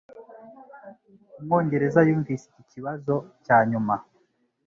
Umwongereza yumvise iki kibazo cyanyuma